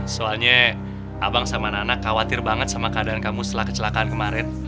soalnya abang sama anak anak khawatir banget sama keadaan kamu setelah kecelakaan kemarin